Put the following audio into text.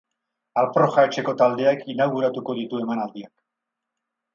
Alproja etxeko taldeak inauguratuko ditu emanaldiak.